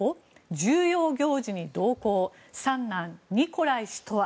重要行事に同行三男ニコライ氏とは。